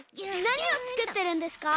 なにをつくってるんですか？